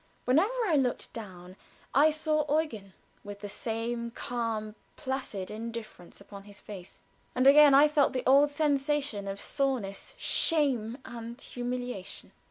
Whenever I looked down I saw Eugen, with the same calm, placid indifference upon his face; and again I felt the old sensation of soreness, shame, and humiliation.